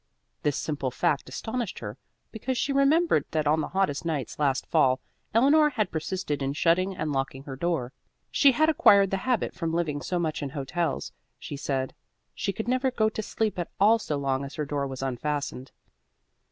This simple fact astonished her, because she remembered that on the hottest nights last fall Eleanor had persisted in shutting and locking her door. She had acquired the habit from living so much in hotels, she said; she could never go to sleep at all so long as her door was unfastened.